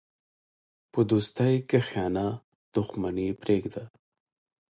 په دوستۍ کښېنه، دښمني پرېږده.